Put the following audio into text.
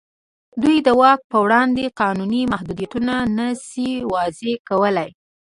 دوی د واک په وړاندې قانوني محدودیتونه نه شي وضع کولای.